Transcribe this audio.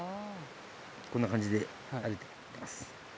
こんな感じで歩いていってます。